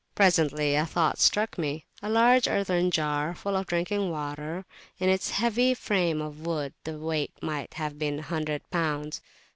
Presently a thought struck me. A large earthen jar full of drinking water,[FN#3] in its heavy frame of wood the weight might have been 100 lbs.